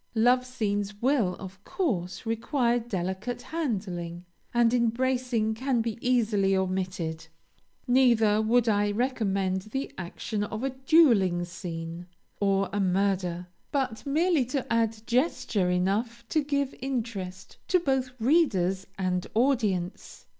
Love scenes will, of course, require delicate handling, and embracing can be easily omitted; neither would I recommend the action of a dueling scene, or a murder, but merely to add gesture enough to give interest to both readers and audience.